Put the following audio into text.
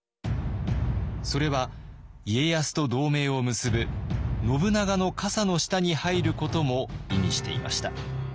それは家康と同盟を結ぶ信長の傘の下に入ることも意味していました。